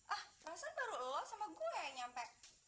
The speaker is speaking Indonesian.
ah langsung baru sama gue nyampe